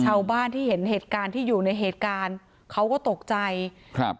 ชาวบ้านที่เห็นเหตุการณ์ที่อยู่ในเหตุการณ์เขาก็ตกใจครับ